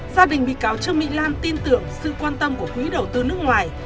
gia đình bị cáo trương mỹ lan tin tưởng sự quan tâm của quý đầu tư nước ngoài